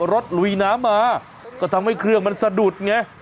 ลุยน้ำมาก็ทำให้เครื่องมันสะดุดไง